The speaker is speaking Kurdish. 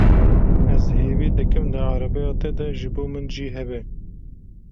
Ez hêvî dikim di erebeya te de ji bo min cî hebe.